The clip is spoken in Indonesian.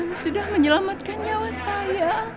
ini sudah menyelamatkan nyawa saya